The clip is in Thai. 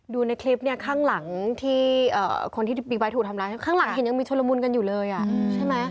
ในคลิปเนี่ยข้างหลังที่คนที่บิ๊กไบท์ถูกทำร้ายข้างหลังเห็นยังมีชุลมุนกันอยู่เลยใช่ไหม